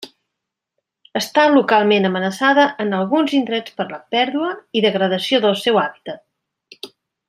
Està localment amenaçada en alguns indrets per la pèrdua i degradació del seu hàbitat.